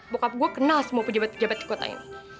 bokap gue kenal semua pejabat pejabat di kota ini